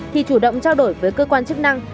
thì chủ động trao đổi với cơ quan chức năng